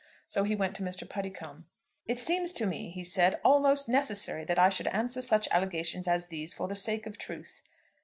So he went to Mr. Puddicombe. "It seems to me," he said, "almost necessary that I should answer such allegations as these for the sake of truth."